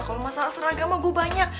kalau masalah seragam mah gue banyak